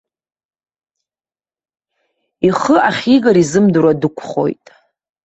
Ихы ахьигара изымдыруа дықәхоит.